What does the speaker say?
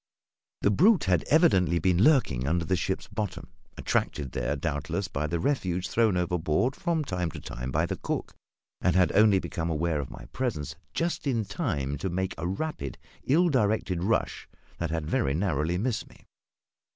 The brute had evidently been lurking under the ship's bottom attracted there, doubtless, by the refuse thrown overboard from time to time by the cook and had only become aware of my presence just in time to make a rapid, ill directed rush that had very narrowly missed me.